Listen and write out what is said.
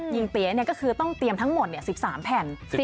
เตี๋ยก็คือต้องเตรียมทั้งหมด๑๓แผ่น